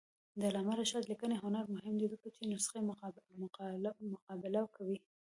د علامه رشاد لیکنی هنر مهم دی ځکه چې نسخې مقابله کوي.